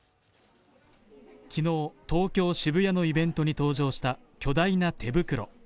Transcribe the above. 昨日、東京・渋谷区のイベントに登場した巨大な手袋。